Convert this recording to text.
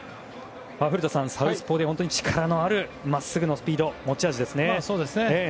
古田さん、サウスポーで本当に力のあるまっすぐのスピードが持ち味ですね。